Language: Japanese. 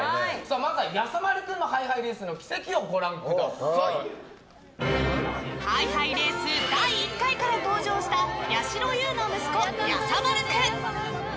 まず、やさまる君のハイハイレースの軌跡をハイハイレース第１回から登場したやしろ優の息子、やさまる君。